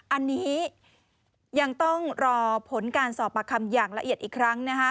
อันนี้ยังต้องรอผลการสอบประคำอย่างละเอียดอีกครั้ง